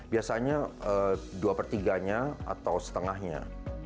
biasanya dua per tiganya atau setengahnya